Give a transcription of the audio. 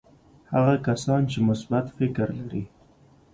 هغه کسان چې مثبت فکر لري.